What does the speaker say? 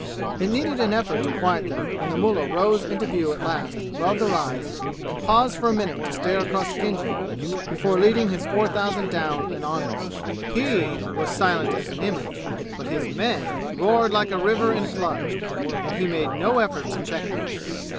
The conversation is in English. It needed an effort to quiet them when the mullah rose into view at last above the rise and paused for a minute to stare across at Khinjan before leading his four thousand down and onward. He was silent as an image, but his men roared like a river in flood and he made no effort to check them.